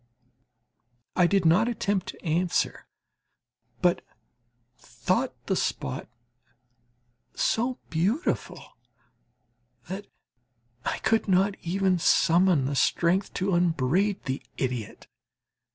I did not attempt to answer, but thought the spot so beautiful that I could not even summon the strength to upbraid the idiot.